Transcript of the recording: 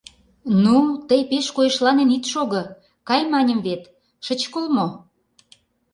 Ну, тый пеш койышланен ит шого, кай, маньым вет, шыч кол мо?